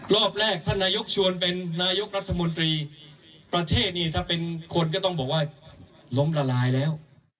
รอบแรกท่านนายกชวนเป็นนายกรัฐมนตรีประเทศนี่ถ้าเป็นคนก็ต้องบอกว่าล้มละลายแล้ว